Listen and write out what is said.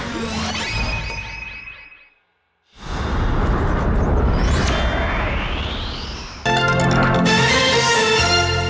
ก็หมายถึงผู้หญิงน่ะ